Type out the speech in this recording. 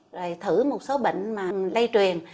rồi thử một số bệnh lây truyền